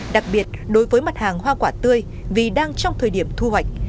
đặc biệt đối với mặt hàng hoa quả tươi vì đang trong thời điểm thu hoạch